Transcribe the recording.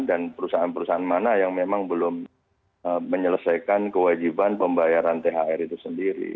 dan perusahaan perusahaan mana yang memang belum menyelesaikan kewajiban pembayaran thr itu sendiri